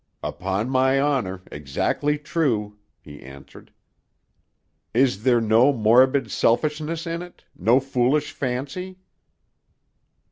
"Upon my honor; exactly true," he answered. "Is there no morbid selfishness in it; no foolish fancy?"